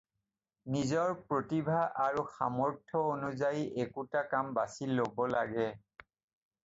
নিজৰ প্ৰতিভা আৰু সামৰ্থ অনুযায়ী একোটা কাম বাছি ল'ব লাগে।